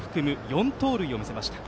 ４盗塁を見せました。